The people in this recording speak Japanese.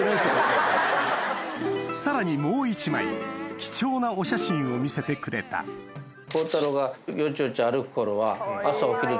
さらにもう１枚貴重なお写真を見せてくれたえぇ！